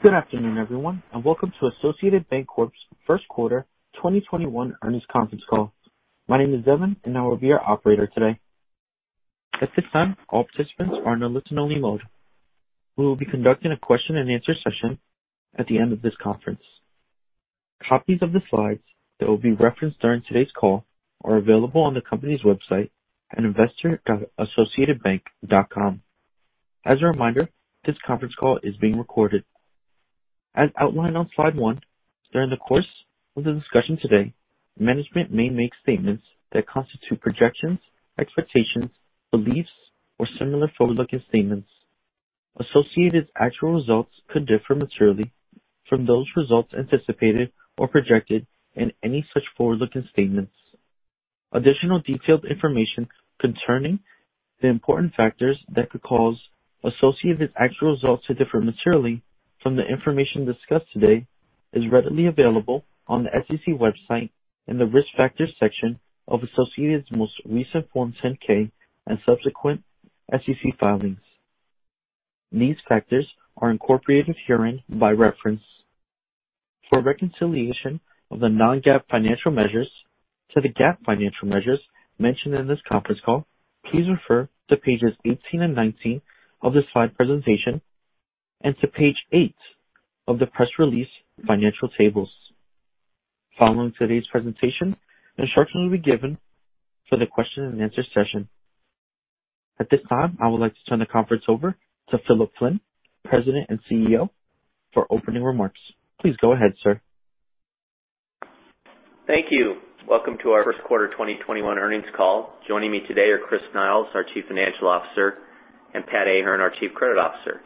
Good afternoon, everyone, and welcome to Associated Banc-Corp's First Quarter 2021 Earnings Conference Call. My name is Evan, and I will be your operator today. At this time, all participants are in a listen only mode. We will be conducting a question and answer session at the end of this conference. Copies of the slides that will be referenced during today's call are available on the company's website at investor.associatedbank.com. As a reminder, this conference call is being recorded. As outlined on slide one, during the course of the discussion today, management may make statements that constitute projections, expectations, beliefs, or similar forward-looking statements. Associated's actual results could differ materially from those results anticipated or projected in any such forward-looking statements. Additional detailed information concerning the important factors that could cause Associated's actual results to differ materially from the information discussed today is readily available on the SEC website in the Risk Factors section of Associated's most recent Form 10-K and subsequent SEC filings. These factors are incorporated herein by reference. For a reconciliation of the non-GAAP financial measures to the GAAP financial measures mentioned in this conference call, please refer to pages 18 and 19 of the slide presentation and to page eight of the press release financial tables. Following today's presentation, instructions will be given for the question and answer session. At this time, I would like to turn the conference over to Philip Flynn, President and CEO, for opening remarks. Please go ahead, sir. Thank you. Welcome to our first quarter 2021 earnings call. Joining me today are Chris Niles, our Chief Financial Officer, and Pat Ahern, our Chief Credit Officer.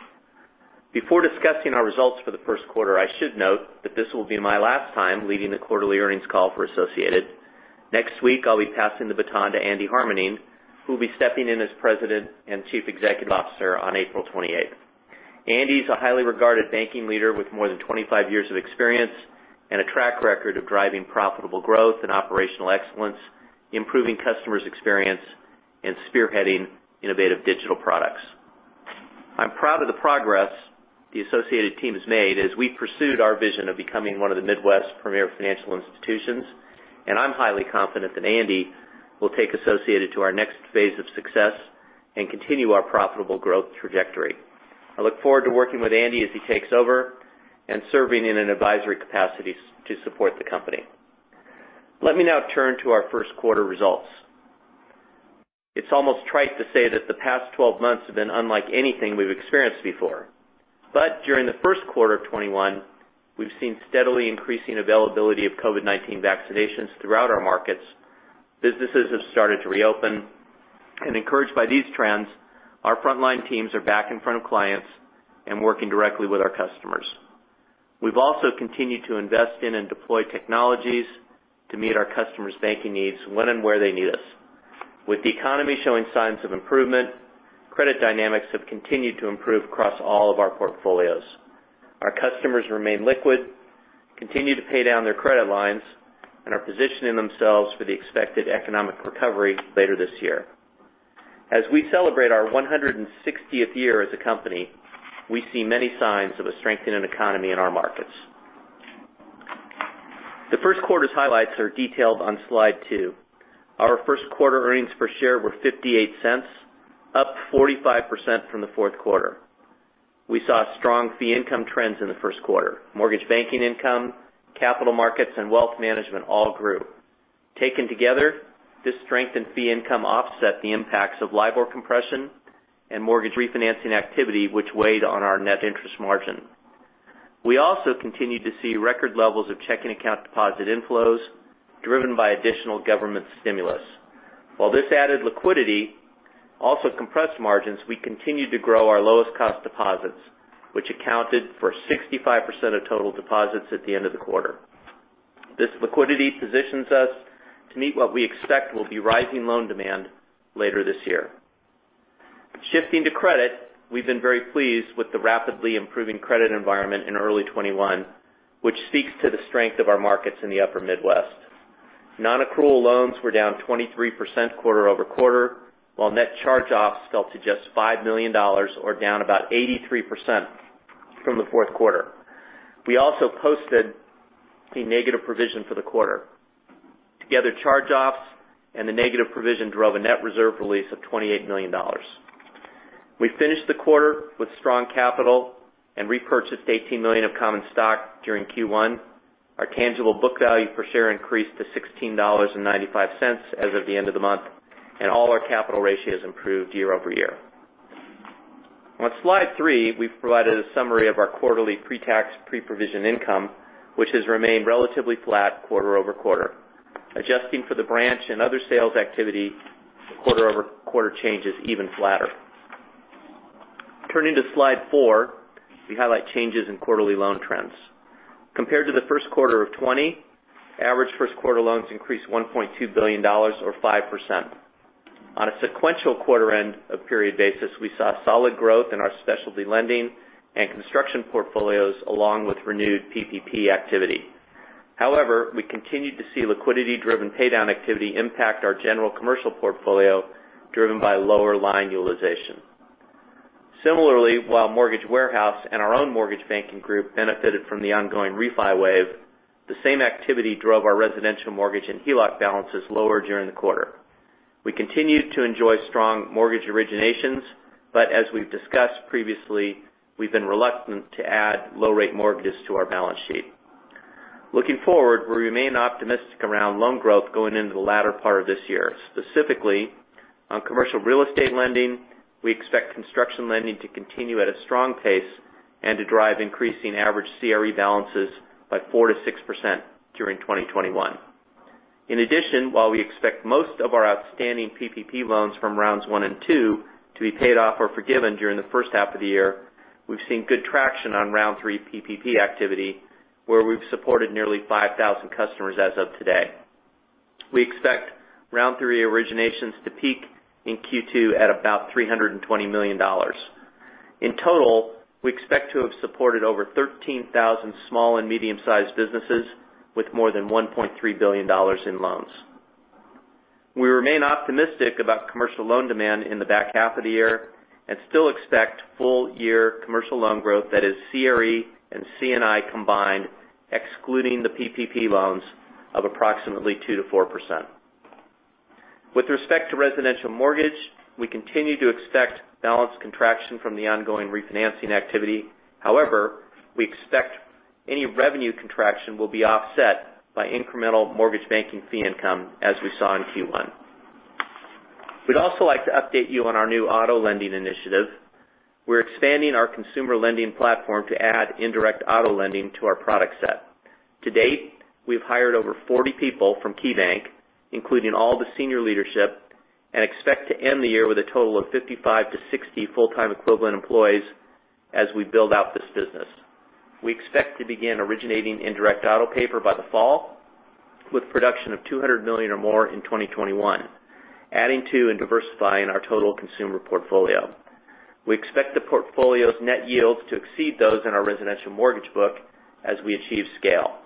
Before discussing our results for the first quarter, I should note that this will be my last time leading the quarterly earnings call for Associated. Next week, I'll be passing the baton to Andrew J. Harmening, who will be stepping in as President and Chief Executive Officer on April 28th. Andy's a highly regarded banking leader with more than 25 years of experience and a track record of driving profitable growth and operational excellence, improving customers' experience, and spearheading innovative digital products. I'm proud of the progress the Associated team has made as we pursued our vision of becoming one of the Midwest's premier financial institutions. I'm highly confident that Andy will take Associated to our next phase of success and continue our profitable growth trajectory. I look forward to working with Andy as he takes over and serving in an advisory capacity to support the company. Let me now turn to our first quarter results. It's almost trite to say that the past 12 months have been unlike anything we've experienced before. During the first quarter of 2021, we've seen steadily increasing availability of COVID-19 vaccinations throughout our markets. Businesses have started to reopen. Encouraged by these trends, our frontline teams are back in front of clients and working directly with our customers. We've also continued to invest in and deploy technologies to meet our customers' banking needs when and where they need us. With the economy showing signs of improvement, credit dynamics have continued to improve across all of our portfolios. Our customers remain liquid, continue to pay down their credit lines, and are positioning themselves for the expected economic recovery later this year. As we celebrate our 160th year as a company, we see many signs of a strengthening economy in our markets. The first quarter's highlights are detailed on slide two. Our first quarter earnings per share were $0.58, up 45% from the fourth quarter. We saw strong fee income trends in the first quarter. Mortgage banking income, capital markets, and wealth management all grew. Taken together, this strengthened fee income offset the impacts of LIBOR compression and mortgage refinancing activity, which weighed on our net interest margin. We also continued to see record levels of checking account deposit inflows driven by additional government stimulus. While this added liquidity also compressed margins, we continued to grow our lowest cost deposits, which accounted for 65% of total deposits at the end of the quarter. This liquidity positions us to meet what we expect will be rising loan demand later this year. Shifting to credit, we've been very pleased with the rapidly improving credit environment in early '21, which speaks to the strength of our markets in the Upper Midwest. Non-accrual loans were down 23% quarter-over-quarter, while net charge-offs fell to just $5 million, or down about 83% from the fourth quarter. We also posted a negative provision for the quarter. Together, charge-offs and the negative provision drove a net reserve release of $28 million. We finished the quarter with strong capital and repurchased $18 million of common stock during Q1. Our tangible book value per share increased to $16.95 as of the end of the month, and all our capital ratios improved year-over-year. On slide three, we've provided a summary of our quarterly pre-tax, pre-provision income, which has remained relatively flat quarter-over-quarter. Adjusting for the branch and other sales activity, the quarter-over-quarter change is even flatter. Turning to slide four, we highlight changes in quarterly loan trends. Compared to the first quarter of 2020, average first quarter loans increased $1.2 billion, or 5%. On a sequential quarter end of period basis, we saw solid growth in our specialty lending and construction portfolios, along with renewed PPP activity. We continued to see liquidity-driven paydown activity impact our general commercial portfolio, driven by lower line utilization. Similarly, while Mortgage Warehouse and our own mortgage banking group benefited from the ongoing refi wave, the same activity drove our residential mortgage and HELOC balances lower during the quarter. We continued to enjoy strong mortgage originations, but as we've discussed previously, we've been reluctant to add low rate mortgages to our balance sheet. Looking forward, we remain optimistic around loan growth going into the latter part of this year. Specifically, on commercial real estate lending, we expect construction lending to continue at a strong pace and to drive increasing average CRE balances by 4%-6% during 2021. In addition, while we expect most of our outstanding PPP loans from rounds one and two to be paid off or forgiven during the first half of the year, we've seen good traction on round three PPP activity, where we've supported nearly 5,000 customers as of today. We expect round three originations to peak in Q2 at about $320 million. In total, we expect to have supported over 13,000 small and medium sized businesses with more than $1.3 billion in loans. We remain optimistic about commercial loan demand in the back half of the year and still expect full year commercial loan growth that is CRE and C&I combined, excluding the PPP loans of approximately 2%-4%. With respect to residential mortgage, we continue to expect balanced contraction from the ongoing refinancing activity. However, we expect any revenue contraction will be offset by incremental mortgage banking fee income as we saw in Q1. We'd also like to update you on our new auto lending initiative. We're expanding our consumer lending platform to add indirect auto lending to our product set. To date, we've hired over 40 people from KeyBank, including all the senior leadership, and expect to end the year with a total of 55-60 full-time equivalent employees as we build out this business. We expect to begin originating indirect auto paper by the fall, with production of $200 million or more in 2021, adding to and diversifying our total consumer portfolio. We expect the portfolio's net yields to exceed those in our residential mortgage book as we achieve scale.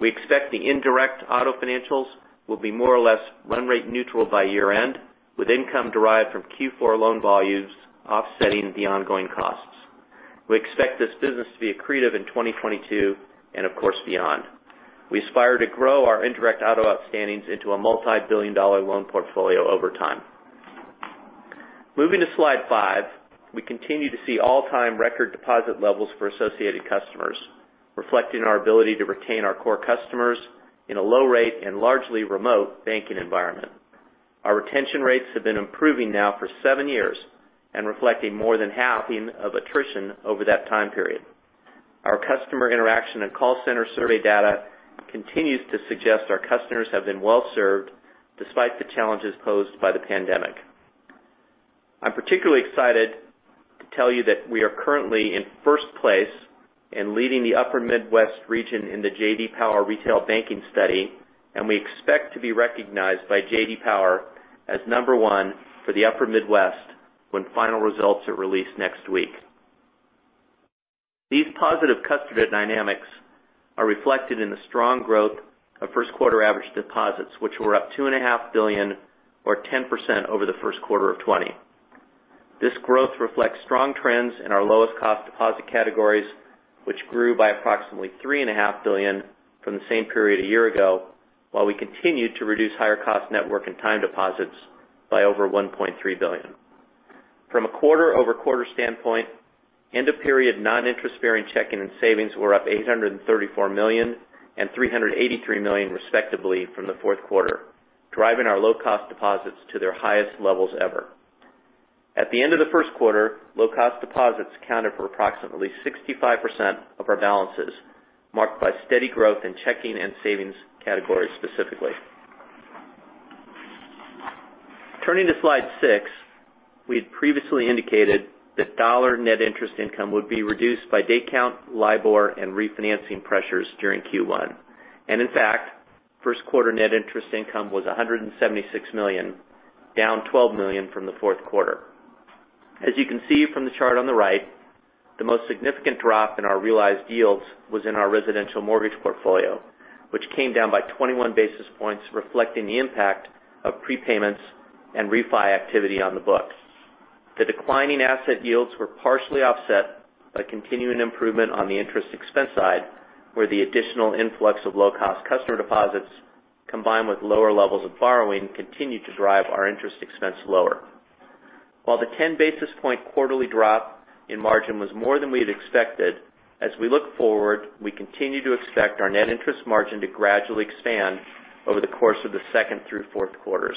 We expect the indirect auto financials will be more or less run rate neutral by year-end, with income derived from Q4 loan volumes offsetting the ongoing costs. We expect this business to be accretive in 2022, and of course, beyond. We aspire to grow our indirect auto outstandings into a multi-billion dollar loan portfolio over time. Moving to slide five, we continue to see all-time record deposit levels for Associated customers, reflecting our ability to retain our core customers in a low rate and largely remote banking environment. Our retention rates have been improving now for seven years and reflecting more than halving of attrition over that time period. Our customer interaction and call center survey data continues to suggest our customers have been well served despite the challenges posed by the pandemic. I am particularly excited to tell you that we are currently in first place in leading the Upper Midwest region in the J.D. Power Retail Banking study, and we expect to be recognized by J.D. Power as number one for the Upper Midwest when final results are released next week. These positive customer dynamics are reflected in the strong growth of first quarter average deposits, which were up $2.5 billion or 10% over the first quarter of 2020. This growth reflects strong trends in our lowest cost deposit categories, which grew by approximately $3.5 billion from the same period a year ago, while we continued to reduce higher cost network and time deposits by over $1.3 billion. From a quarter-over-quarter standpoint, end of period non-interest bearing checking and savings were up $834 million and $383 million respectively from the fourth quarter, driving our low cost deposits to their highest levels ever. At the end of the first quarter, low cost deposits accounted for approximately 65% of our balances, marked by steady growth in checking and savings categories specifically. Turning to slide six, we had previously indicated that dollar net interest income would be reduced by day count, LIBOR, and refinancing pressures during Q1. In fact, first quarter net interest income was $176 million, down $12 million from the fourth quarter. As you can see from the chart on the right, the most significant drop in our realized yields was in our residential mortgage portfolio, which came down by 21 basis points, reflecting the impact of prepayments and refi activity on the books. The declining asset yields were partially offset by continuing improvement on the interest expense side, where the additional influx of low cost customer deposits, combined with lower levels of borrowing, continued to drive our interest expense lower. While the 10 basis point quarterly drop in margin was more than we had expected, as we look forward, we continue to expect our net interest margin to gradually expand over the course of the second through fourth quarters.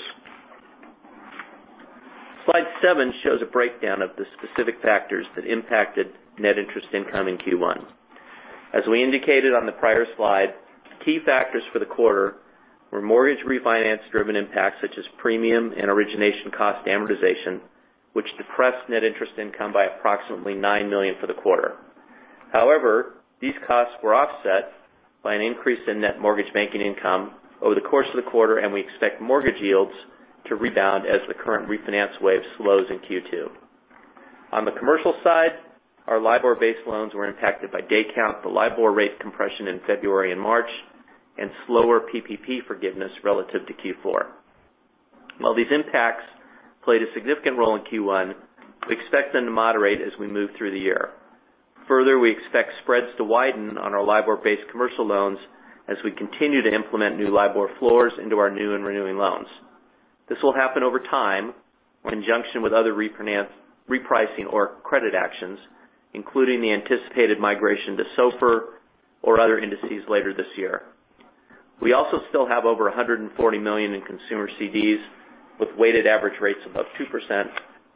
Slide seven shows a breakdown of the specific factors that impacted net interest income in Q1. As we indicated on the prior slide, key factors for the quarter were mortgage refinance driven impacts such as premium and origination cost amortization, which depressed net interest income by approximately $9 million for the quarter. These costs were offset by an increase in net mortgage banking income over the course of the quarter, and we expect mortgage yields to rebound as the current refinance wave slows in Q2. On the commercial side, our LIBOR-based loans were impacted by day count, the LIBOR rate compression in February and March, and slower PPP forgiveness relative to Q4. While these impacts played a significant role in Q1, we expect them to moderate as we move through the year. We expect spreads to widen on our LIBOR-based commercial loans as we continue to implement new LIBOR floors into our new and renewing loans. This will happen over time in conjunction with other repricing or credit actions, including the anticipated migration to SOFR or other indices later this year. We also still have over $140 million in consumer CDs with weighted average rates above 2%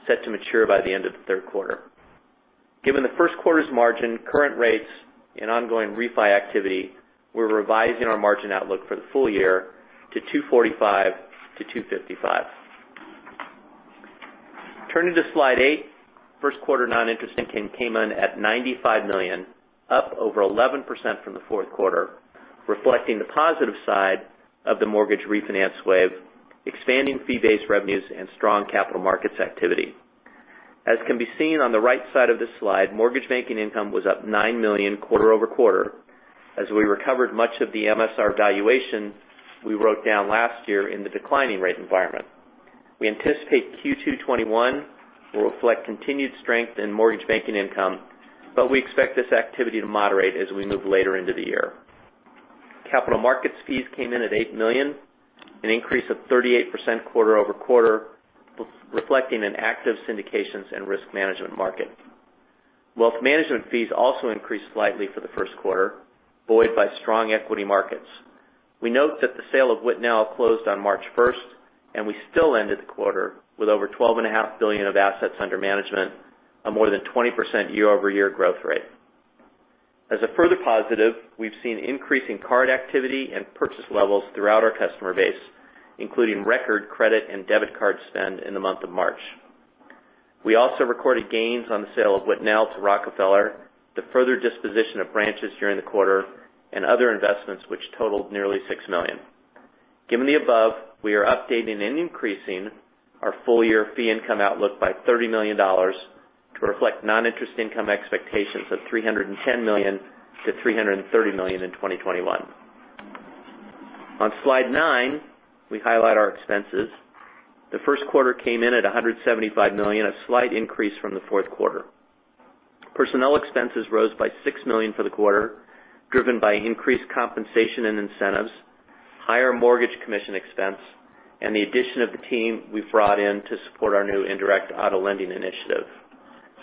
set to mature by the end of the third quarter. Given the first quarter's margin, current rates, and ongoing refi activity, we're revising our margin outlook for the full year to 245-255. Turning to slide eight, first quarter non-interest income came in at $95 million, up over 11% from the fourth quarter, reflecting the positive side of the mortgage refinance wave, expanding fee-based revenues, and strong capital markets activity. As can be seen on the right side of this slide, mortgage banking income was up $9 million quarter-over-quarter as we recovered much of the MSR valuation we wrote down last year in the declining rate environment. We anticipate Q2 2021 will reflect continued strength in mortgage banking income, but we expect this activity to moderate as we move later into the year. Capital markets fees came in at $8 million, an increase of 38% quarter-over-quarter, reflecting an active syndications and risk management market. Wealth management fees also increased slightly for the first quarter, buoyed by strong equity markets. We note that the sale of Whitnell closed on March 1st, and we still ended the quarter with over $12.5 billion of assets under management, a more than 20% year-over-year growth rate. As a further positive, we've seen increasing card activity and purchase levels throughout our customer base, including record credit and debit card spend in the month of March. We also recorded gains on the sale of Whitnell to Rockefeller, the further disposition of branches during the quarter, and other investments which totaled nearly $6 million. Given the above, we are updating and increasing our full year fee income outlook by $30 million to reflect non-interest income expectations of $310 million-$330 million in 2021. On slide nine, we highlight our expenses. The first quarter came in at $175 million, a slight increase from the fourth quarter. Personnel expenses rose by $6 million for the quarter, driven by increased compensation and incentives, higher mortgage commission expense, and the addition of the team we've brought in to support our new indirect auto lending initiative.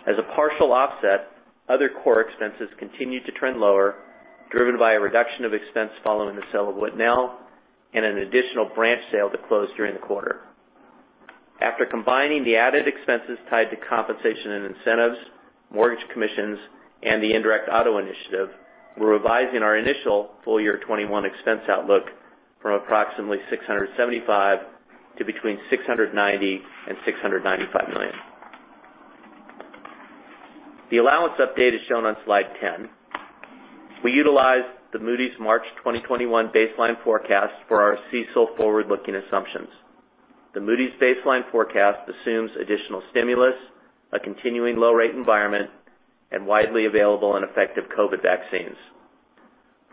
As a partial offset, other core expenses continued to trend lower, driven by a reduction of expense following the sale of Whitnell and an additional branch sale that closed during the quarter. After combining the added expenses tied to compensation and incentives, mortgage commissions, and the indirect auto initiative, we're revising our initial full year 2021 expense outlook from approximately $675 million to between $690 million and $695 million. The allowance update is shown on slide 10. We utilized the Moody's March 2021 baseline forecast for our CECL forward-looking assumptions. The Moody's baseline forecast assumes additional stimulus, a continuing low rate environment, and widely available and effective COVID vaccines.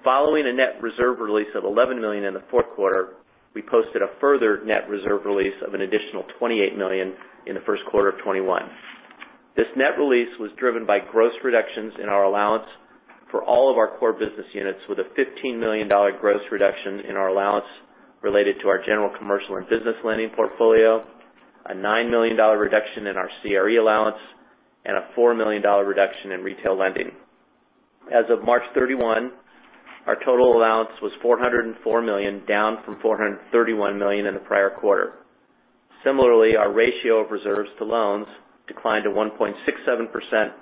Following a net reserve release of $11 million in the fourth quarter, we posted a further net reserve release of an additional $28 million in the first quarter of 2021. This net release was driven by gross reductions in our allowance for all of our core business units, with a $15 million gross reduction in our allowance related to our general commercial and business lending portfolio, a $9 million reduction in our CRE allowance, and a $4 million reduction in retail lending. As of March 31, our total allowance was $404 million, down from $431 million in the prior quarter. Similarly, our ratio of reserves to loans declined to 1.67%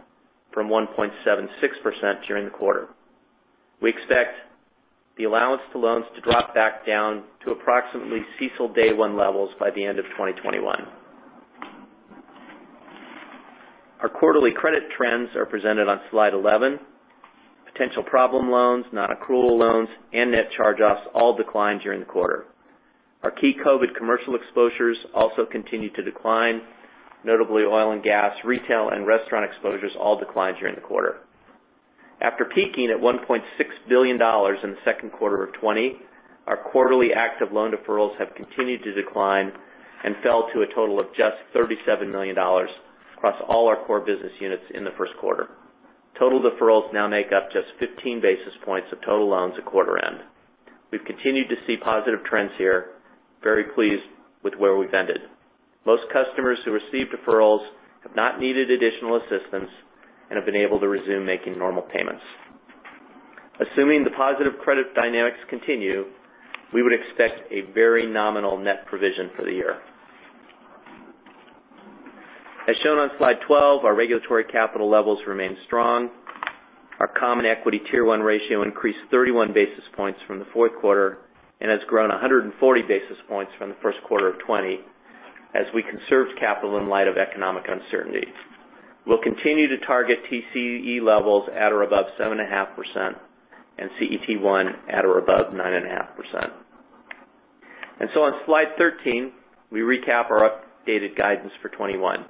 from 1.76% during the quarter. We expect the allowance to loans to drop back down to approximately CECL day one levels by the end of 2021. Our quarterly credit trends are presented on slide 11. Potential problem loans, non-accrual loans, and net charge-offs all declined during the quarter. Our key COVID commercial exposures also continued to decline. Notably, oil and gas, retail, and restaurant exposures all declined during the quarter. After peaking at $1.6 billion in the second quarter of 2020, our quarterly active loan deferrals have continued to decline and fell to a total of just $37 million across all our core business units in the first quarter. Total deferrals now make up just 15 basis points of total loans at quarter end. We've continued to see positive trends here. Very pleased with where we've ended. Most customers who received deferrals have not needed additional assistance and have been able to resume making normal payments. Assuming the positive credit dynamics continue, we would expect a very nominal net provision for the year. As shown on slide 12, our regulatory capital levels remain strong. Our Common Equity Tier 1 ratio increased 31 basis points from the fourth quarter and has grown 140 basis points from the first quarter of 2020 as we conserved capital in light of economic uncertainty. We'll continue to target TCE levels at or above 7.5% and CET1 at or above 9.5%. On slide 13, we recap our updated guidance for 2021.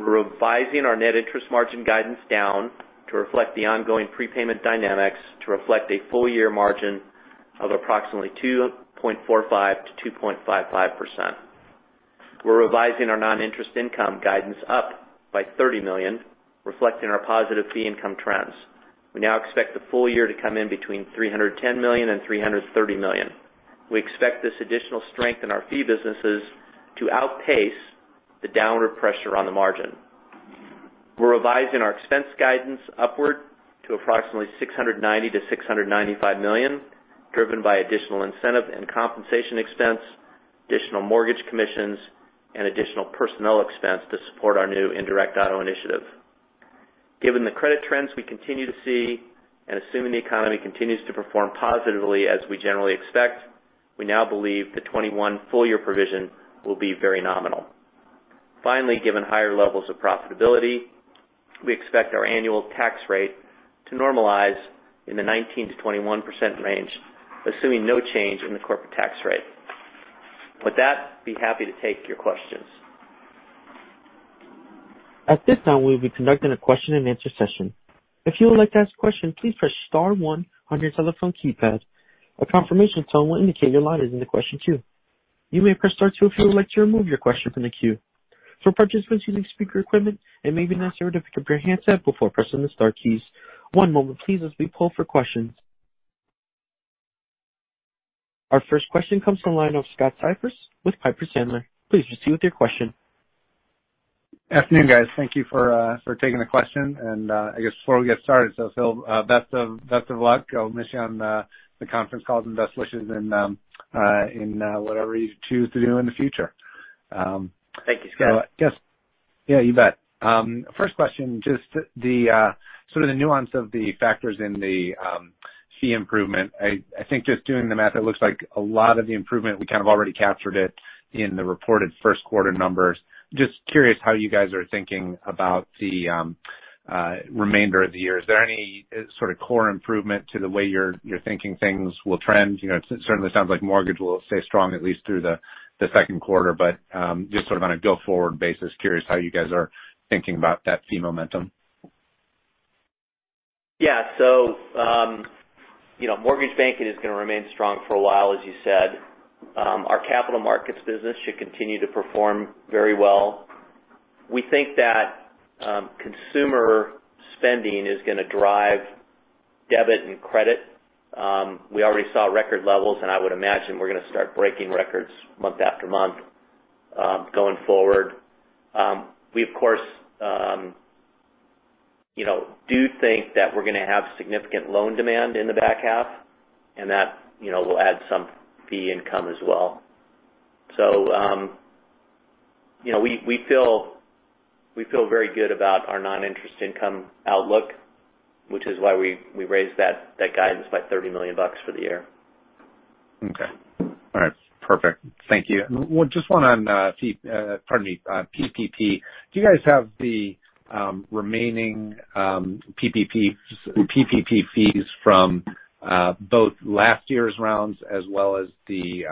We're revising our net interest margin guidance down to reflect the ongoing prepayment dynamics to reflect a full year margin of approximately 2.45%-2.55%. We're revising our non-interest income guidance up by $30 million, reflecting our positive fee income trends. We now expect the full year to come in between $310 million and $330 million. We expect this additional strength in our fee businesses to outpace the downward pressure on the margin. We're revising our expense guidance upward to approximately $690 million-$695 million, driven by additional incentive and compensation expense, additional mortgage commissions, and additional personnel expense to support our new indirect auto initiative. Given the credit trends we continue to see, and assuming the economy continues to perform positively as we generally expect, we now believe the 2021 full year provision will be very nominal. Given higher levels of profitability, we expect our annual tax rate to normalize in the 19%-21% range, assuming no change in the corporate tax rate. With that, be happy to take your questions. Our first question comes from the line of Scott Siefers with Piper Sandler. Please proceed with your question. Afternoon, guys. Thank you for taking the question. I guess before we get started, Phil, best of luck. I'll miss you on the conference calls and best wishes in whatever you choose to do in the future. Thank you, Scott. Yeah, you bet. First question, just the sort of the nuance of the factors in the fee improvement. I think just doing the math, it looks like a lot of the improvement, we kind of already captured it in the reported first quarter numbers. Just curious how you guys are thinking about the remainder of the year. Is there any sort of core improvement to the way you're thinking things will trend? It certainly sounds like mortgage will stay strong at least through the second quarter. Just sort of on a go-forward basis, curious how you guys are thinking about that fee momentum. Mortgage banking is going to remain strong for a while, as you said. Our capital markets business should continue to perform very well. We think that consumer spending is going to drive debit and credit. We already saw record levels. I would imagine we're going to start breaking records month after month, going forward. We, of course do think that we're going to have significant loan demand in the back half. That will add some fee income as well. We feel very good about our non-interest income outlook, which is why we raised that guidance by $30 million for the year. Okay. All right. Perfect. Thank you. Just one on, pardon me, PPP. Do you guys have the remaining PPP fees from both last year's rounds as well as the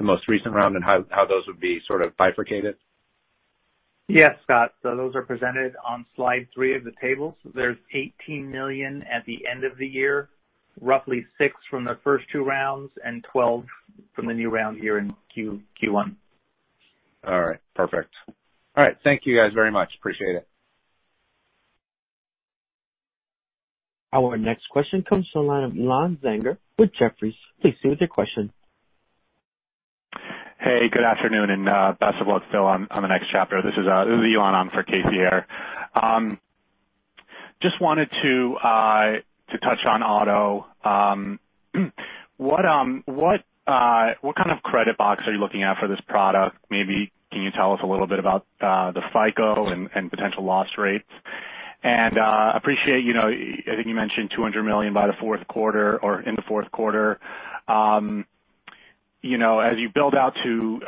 most recent round, and how those would be sort of bifurcated? Yes, Scott. Those are presented on slide three of the tables. There's $18 million at the end of the year, roughly six from the first two rounds and 12 from the new round here in Q1. All right. Perfect. All right. Thank you guys very much. Appreciate it. Our next question comes from the line of Lan Zanger with Jefferies. Please proceed with your question. Hey, good afternoon, and best of luck, Phil, on the next chapter. This is Uzi on Casey Haire. Just wanted to touch on auto. What kind of credit box are you looking at for this product? Maybe can you tell us a little bit about the FICO and potential loss rates? I appreciate, I think you mentioned $200 million by the fourth quarter or in the fourth quarter. As you build out to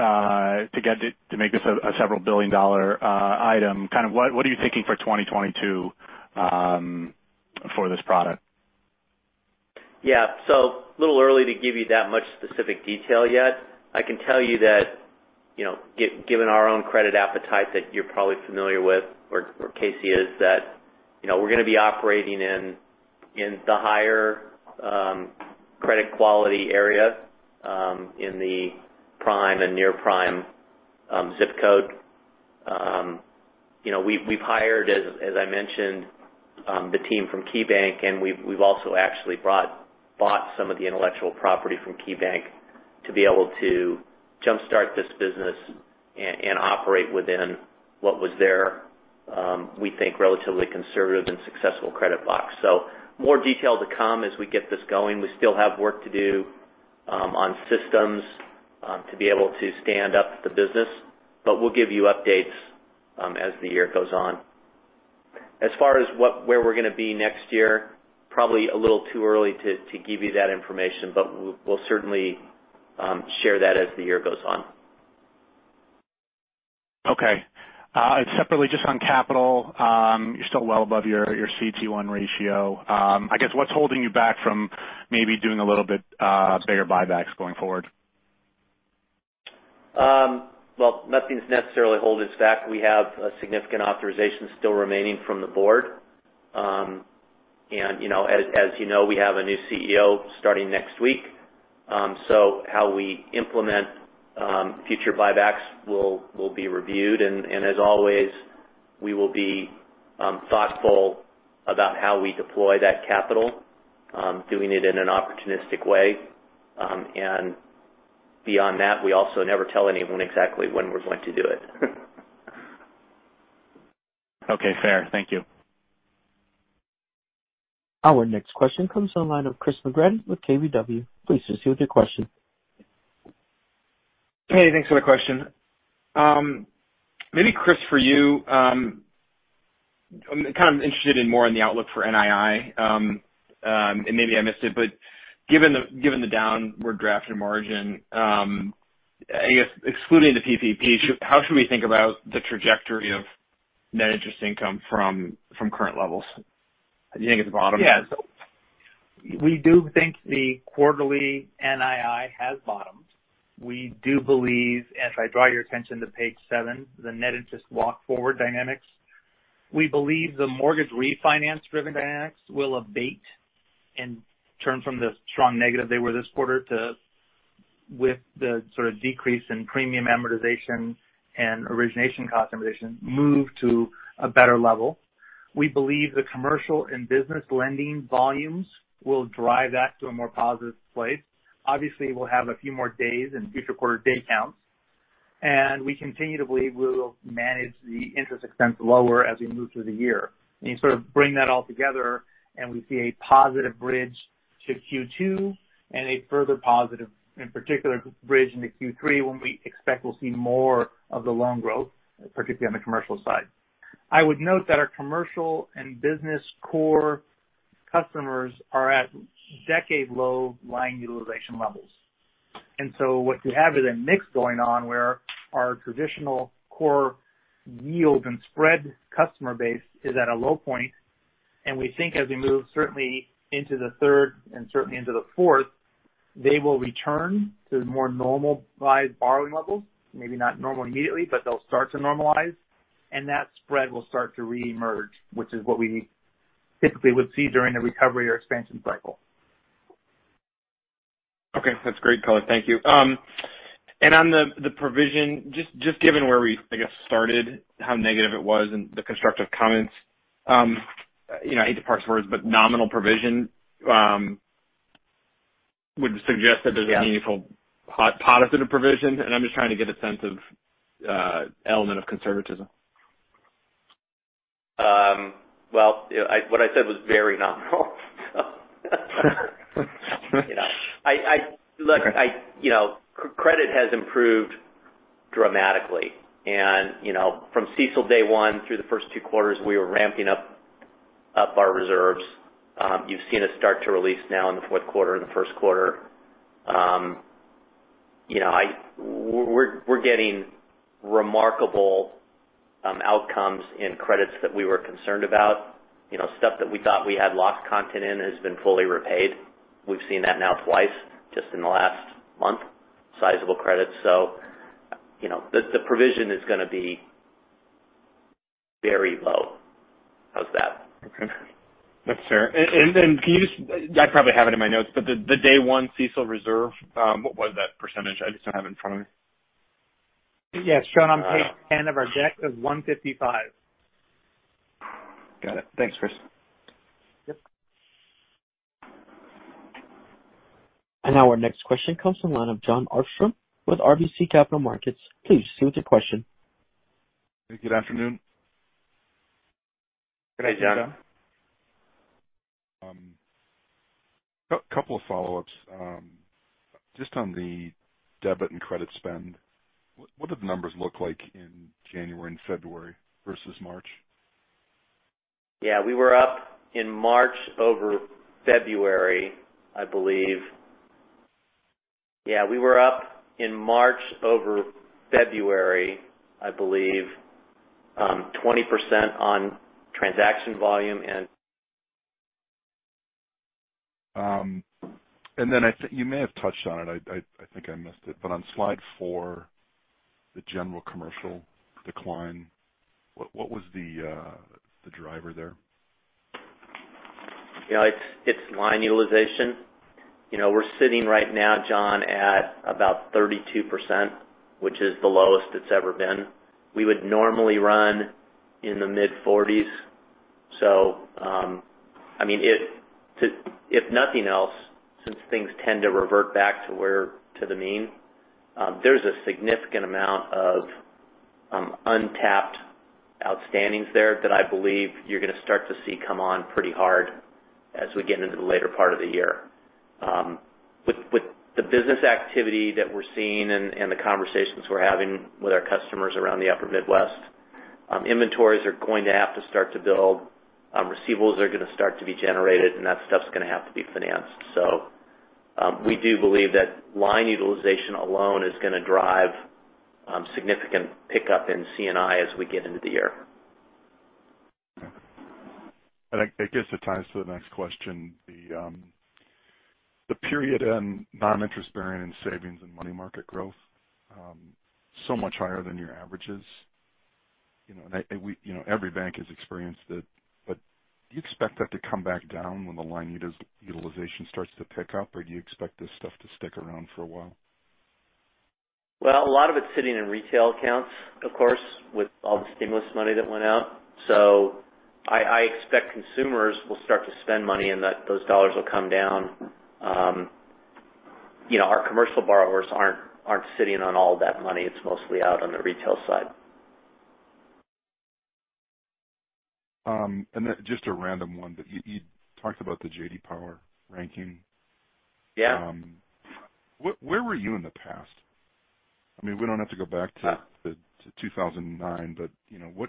make this a several billion-dollar item, what are you thinking for 2022 for this product? Yeah. A little early to give you that much specific detail yet. I can tell you that given our own credit appetite that you're probably familiar with, or Casey is, that we're going to be operating in the higher credit quality area in the prime and near-prime ZIP code. We've hired, as I mentioned, the team from KeyBank, and we've also actually bought some of the intellectual property from KeyBank to be able to jumpstart this business and operate within what was there, we think, relatively conservative and successful credit box. More detail to come as we get this going. We still have work to do on systems to be able to stand up the business, but we'll give you updates as the year goes on. As far as where we're going to be next year, probably a little too early to give you that information, but we'll certainly share that as the year goes on. Okay. Separately, just on capital, you're still well above your CET1 ratio. I guess, what's holding you back from maybe doing a little bit bigger buybacks going forward? Well, nothing's necessarily holding us back. We have a significant authorization still remaining from the Board. How we implement future buybacks will be reviewed and, as always, we will be thoughtful about how we deploy that capital, doing it in an opportunistic way. Beyond that, we also never tell anyone exactly when we're going to do it. Okay, fair. Thank you. Our next question comes on the line of Chris McGratty with KBW. Please proceed with your question. Hey, thanks for the question. Maybe Chris, for you, I'm kind of interested in more on the outlook for NII. Maybe I missed it, but given the downward draft in margin, I guess excluding the PPP, how should we think about the trajectory of net interest income from current levels? Do you think it's bottomed? Yeah. We do think the quarterly NII has bottomed. We do believe, as I draw your attention to page seven, the net interest walk forward dynamics. We believe the mortgage refinance-driven dynamics will abate and turn from the strong negative they were this quarter to, with the sort of decrease in premium amortization and origination cost amortization, move to a better level. We believe the commercial and business lending volumes will drive that to a more positive place. Obviously, we'll have a few more days in future quarter day counts. We continue to believe we'll manage the interest expense lower as we move through the year. You sort of bring that all together and we see a positive bridge to Q2 and a further positive, in particular, bridge into Q3 when we expect we'll see more of the loan growth, particularly on the commercial side. I would note that our commercial and business core customers are at decade-low line utilization levels. What you have is a mix going on where our traditional core yield and spread customer base is at a low point, and we think as we move certainly into the third and certainly into the fourth, they will return to more normalized borrowing levels. Maybe not normal immediately, but they'll start to normalize, and that spread will start to reemerge, which is what we typically would see during a recovery or expansion cycle. Okay. That's great color. Thank you. On the provision, just given where we, I guess, started, how negative it was and the constructive comments. I hate to parse words, but would suggest a meaningful positive provision, and I'm just trying to get a sense of element of conservatism. Well, what I said was very nominal. Okay. Credit has improved dramatically from CECL day one through the first two quarters, we were ramping up our reserves. You've seen us start to release now in the fourth quarter and the first quarter. We're getting remarkable outcomes in credits that we were concerned about. Stuff that we thought we had lost content in has been fully repaid. We've seen that now twice just in the last month, sizable credits. The provision is going to be very low. How's that? Okay. That's fair. I probably have it in my notes, but the day one CECL reserve, what was that percentage? I just don't have it in front of me. Yeah. It's shown on page 10 of our deck as 155. Got it. Thanks, Chris. Yep. Now our next question comes from Jon Arfstrom with RBC Capital Markets. Please proceed with your question. Good afternoon. Good day, Jon. A couple of follow-ups. Just on the debit and credit spend, what did the numbers look like in January and February versus March? Yeah. We were up in March over February, I believe, 20% on transaction volume. I think you may have touched on it. I think I missed it. On slide four, the general commercial decline, what was the driver there? It's line utilization. We're sitting right now, Jon, at about 32%, which is the lowest it's ever been. We would normally run in the mid-40s. If nothing else, since things tend to revert back to the mean, there's a significant amount of untapped outstandings there that I believe you're going to start to see come on pretty hard as we get into the later part of the year. With the business activity that we're seeing and the conversations we're having with our customers around the Upper Midwest. Inventories are going to have to start to build. Receivables are going to start to be generated, and that stuff's going to have to be financed. We do believe that line utilization alone is going to drive significant pickup in C&I as we get into the year. I guess it ties to the next question. The period end non-interest bearing and savings and money market growth, so much higher than your averages. Every bank has experienced it. Do you expect that to come back down when the line utilization starts to pick up or do you expect this stuff to stick around for a while? Well, a lot of it's sitting in retail accounts, of course, with all the stimulus money that went out. I expect consumers will start to spend money and that those dollars will come down. Our commercial borrowers aren't sitting on all that money. It's mostly out on the retail side. Just a random one, but you talked about the J.D. Power ranking. Yeah. Where were you in the past? We don't have to go back to 2009.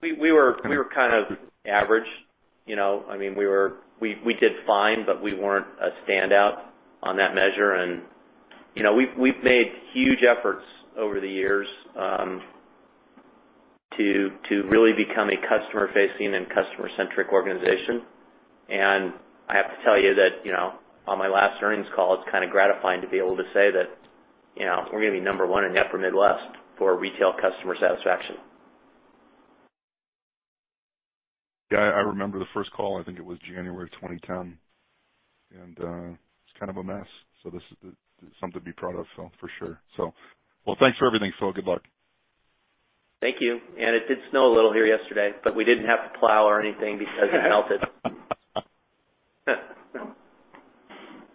We were kind of average. We did fine, but we weren't a standout on that measure. We've made huge efforts over the years to really become a customer-facing and customer-centric organization. I have to tell you that, on my last earnings call, it's kind of gratifying to be able to say that we're going to be number one in Upper Midwest for retail customer satisfaction. Yeah, I remember the first call. I think it was January of 2010, and it was kind of a mess. This is something to be proud of, for sure. Well, thanks for everything, Phil. Good luck. Thank you. It did snow a little here yesterday, but we didn't have to plow or anything because it melted.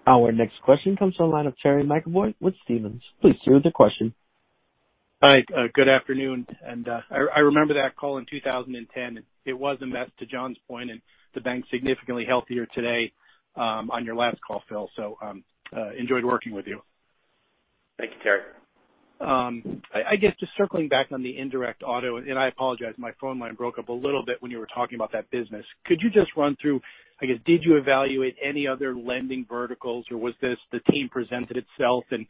Our next question comes from the line of Terry McEvoy with Stephens. Please proceed with your question. Hi. Good afternoon. I remember that call in 2010, and it was a mess to Jon's point, and the bank's significantly healthier today, on your last call, Phil. Enjoyed working with you. Thank you, Terry. I guess just circling back on the indirect auto, and I apologize, my phone line broke up a little bit when you were talking about that business. Could you just run through, I guess, did you evaluate any other lending verticals, or was this the team presented itself and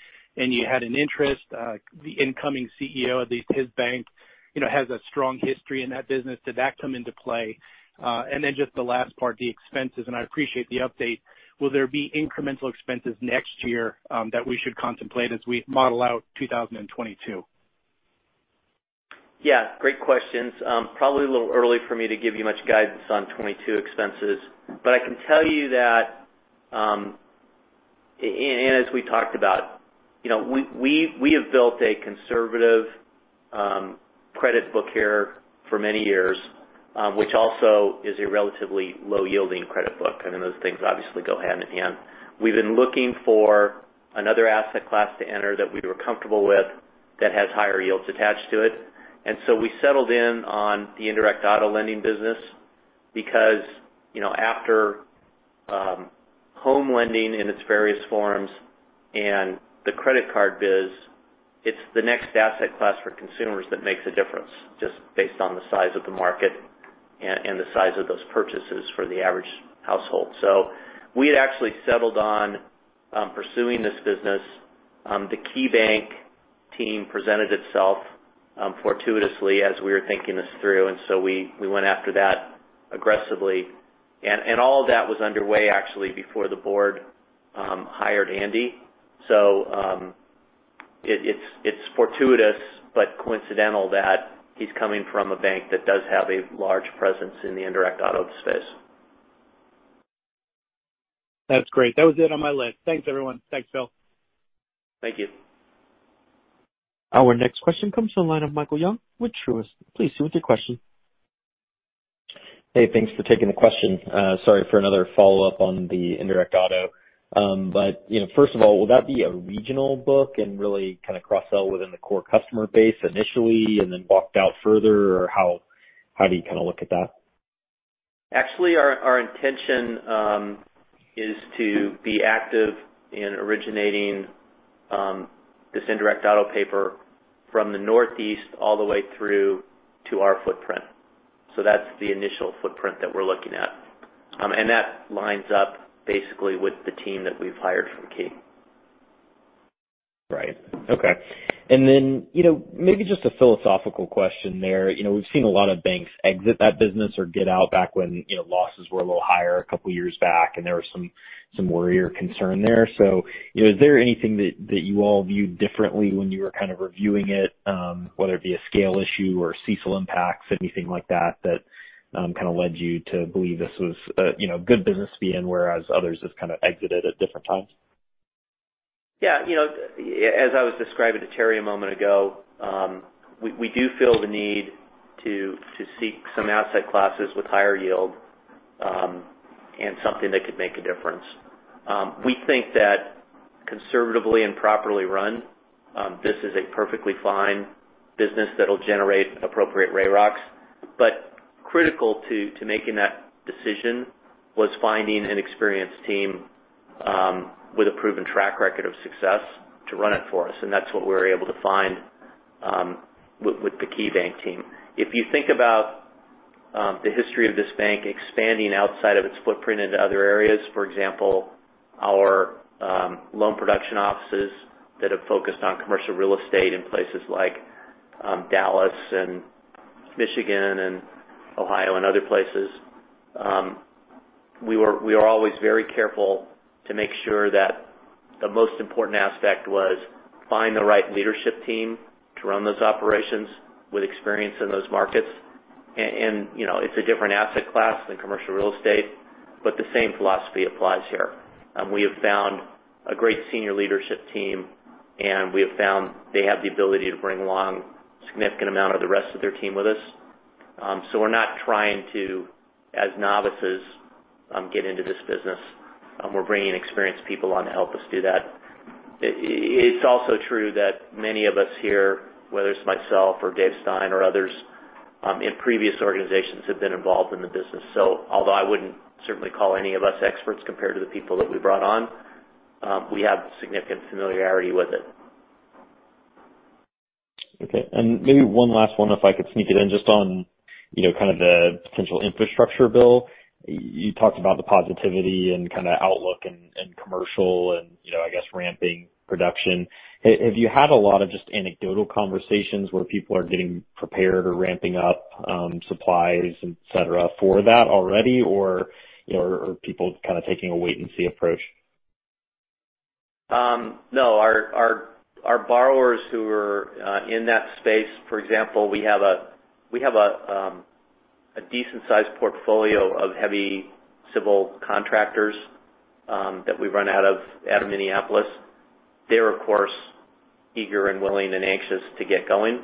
you had an interest? The incoming CEO of his bank has a strong history in that business. Did that come into play? Just the last part, the expenses, and I appreciate the update. Will there be incremental expenses next year that we should contemplate as we model out 2022? Yeah. Great questions. Probably a little early for me to give you much guidance on 2022 expenses. I can tell you that, and as we talked about, we have built a conservative credit book here for many years, which also is a relatively low-yielding credit book. Those things obviously go hand in hand. We've been looking for another asset class to enter that we were comfortable with that has higher yields attached to it. We settled in on the indirect auto lending business because, after home lending in its various forms and the credit card biz, it's the next asset class for consumers that makes a difference just based on the size of the market and the size of those purchases for the average household. We had actually settled on pursuing this business. The KeyBank team presented itself fortuitously as we were thinking this through. We went after that aggressively. All of that was underway actually before the board hired Andy. It's fortuitous but coincidental that he's coming from a bank that does have a large presence in the indirect auto space. That's great. That was it on my list. Thanks, everyone. Thanks, Phil. Thank you. Our next question comes from the line of Michael Young with Truist. Please proceed with your question. Hey, thanks for taking the question. Sorry for another follow-up on the indirect auto. First of all, will that be a regional book and really kind of cross-sell within the core customer base initially and then rolled out further? How do you kind of look at that? Actually, our intention is to be active in originating this indirect auto paper from the Northeast all the way through to our footprint. That's the initial footprint that we're looking at. That lines up basically with the team that we've hired from KeyBank. Right. Okay. Maybe just a philosophical question there. We've seen a lot of banks exit that business or get out back when losses were a little higher a couple years back, and there was some worry or concern there. Is there anything that you all viewed differently when you were kind of reviewing it? Whether it be a scale issue or CECL impacts, anything like that kind of led you to believe this was a good business to be in, whereas others just kind of exited at different times? As I was describing to Terry a moment ago, we do feel the need to seek some asset classes with higher yield, and something that could make a difference. We think that conservatively and properly run, this is a perfectly fine business that'll generate appropriate RAROCs. Critical to making that decision was finding an experienced team with a proven track record of success to run it for us. That's what we were able to find with the KeyBank team. If you think about the history of this bank expanding outside of its footprint into other areas, for example, our loan production offices that have focused on commercial real estate in places like Dallas and Michigan and Ohio and other places. We are always very careful to make sure that the most important aspect was find the right leadership team to run those operations with experience in those markets. It's a different asset class than commercial real estate, but the same philosophy applies here. We have found a great senior leadership team, and we have found they have the ability to bring along significant amount of the rest of their team with us. We're not trying to, as novices, get into this business. We're bringing experienced people on to help us do that. It's also true that many of us here, whether it's myself or Dave Stein or others in previous organizations, have been involved in the business. Although I wouldn't certainly call any of us experts compared to the people that we brought on, we have significant familiarity with it. Okay. Maybe one last one, if I could sneak it in, just on kind of the potential infrastructure bill. You talked about the positivity and kind of outlook and commercial and I guess ramping production. Have you had a lot of just anecdotal conversations where people are getting prepared or ramping up supplies, et cetera, for that already? Or are people kind of taking a wait and see approach? No. Our borrowers who are in that space, for example, we have a decent sized portfolio of heavy civil contractors that we run out of Minneapolis. They're, of course, eager and willing and anxious to get going.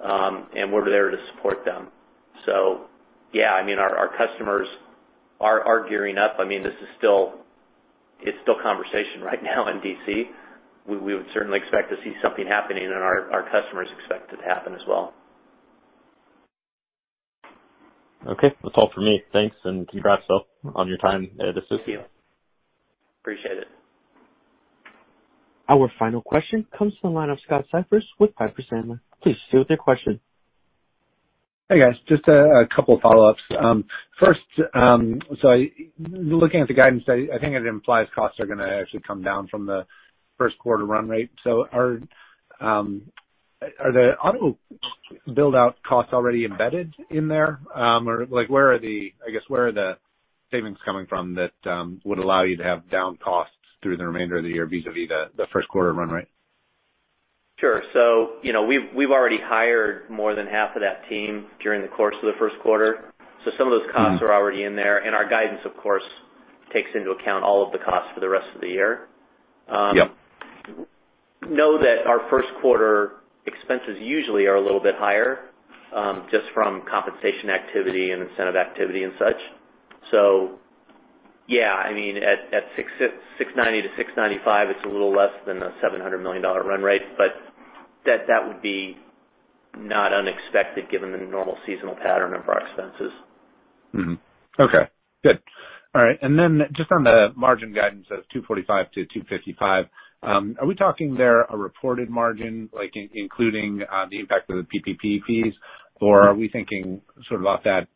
We're there to support them. Yeah, our customers are gearing up. It's still conversation right now in D.C. We would certainly expect to see something happening and our customers expect it to happen as well. Okay. That's all for me. Thanks, and congrats on your time at Associated. Thank you. Appreciate it. Our final question comes from the line of Scott Siefers with Piper Sandler. Please proceed with your question. Hey, guys. Just a couple follow-ups. First, looking at the guidance, I think it implies costs are going to actually come down from the first quarter run rate. Are the auto build-out costs already embedded in there? Where are the savings coming from that would allow you to have down costs through the remainder of the year vis-a-vis the first quarter run rate? Sure. We've already hired more than half of that team during the course of the first quarter. Some of those costs are already in there. Our guidance, of course, takes into account all of the costs for the rest of the year. Yep. Know that our first quarter expenses usually are a little bit higher, just from compensation activity and incentive activity and such. At $690-$695, it's a little less than the $700 million run rate, that would be not unexpected given the normal seasonal pattern of our expenses. Mm-hmm. Okay, good. All right. Then just on the margin guidance of 245-255, are we talking there a reported margin, including the impact of the PPP fees? Are we thinking sort of off that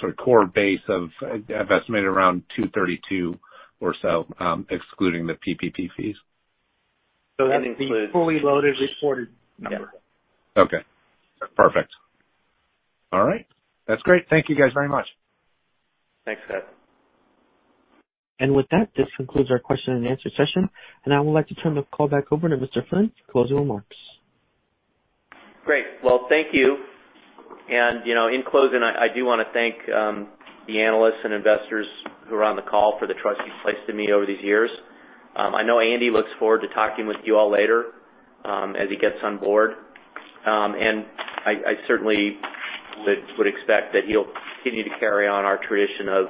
sort of core base of, I've estimated around 232 or so, excluding the PPP fees? That's the fully loaded reported number. Okay, perfect. All right. That's great. Thank you guys very much. Thanks, Scott. With that, this concludes our question and answer session. I would like to turn the call back over to Mr. Flynn for closing remarks. Great. Well, thank you. In closing, I do want to thank the analysts and investors who are on the call for the trust you've placed in me over these years. I know Andy looks forward to talking with you all later as he gets on board. I certainly would expect that he'll continue to carry on our tradition of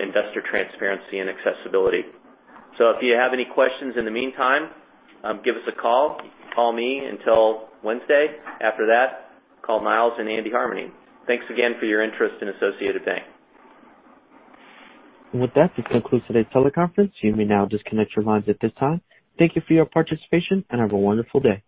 investor transparency and accessibility. If you have any questions in the meantime, give us a call. Call me until Wednesday. After that, call Niles and Andy Harmening. Thanks again for your interest in Associated Bank. With that, this concludes today's teleconference. You may now disconnect your lines at this time. Thank you for your participation, and have a wonderful day.